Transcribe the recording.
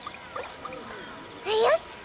よし！